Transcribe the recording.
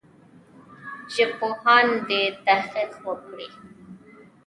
ژبپوهان دي تحقیق وکړي.